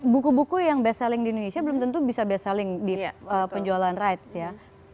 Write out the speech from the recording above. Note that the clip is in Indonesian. buku buku yang best selling di indonesia belum tentu bisa best selling di penjualan rights ya